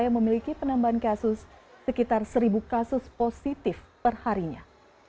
yang memiliki penambahan kasus sekitar satu kasus positif perharinya